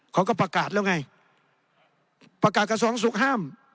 เขาก็ประกาศแล้วไงประกาศกระทรวงสุขห้าม